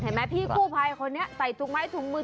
เห็นไหมพี่คู่ภายของคนนี้ใส่ถุงไม้ถุงมือ